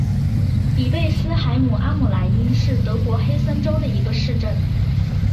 比贝斯海姆阿姆赖因是德国黑森州的一个市镇。